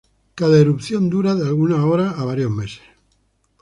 Cada erupción dura de algunas horas a varios meses.